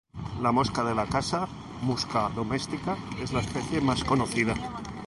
La mosca de la casa, "Musca domestica", es la especie más conocida.